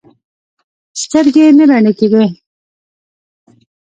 سترګې نه رڼې کېدې.